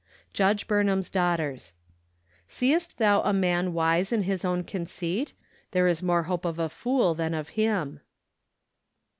Judge Burnham's Daughters. " Seest thou a man icise in his own conceit? there is more hope of a fool than of him."